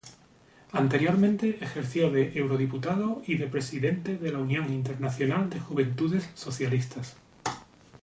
Anteriormente ejerció de eurodiputado y de presidente de la Unión Internacional de Juventudes Socialistas.